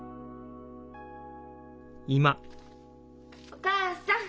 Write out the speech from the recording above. お母さん！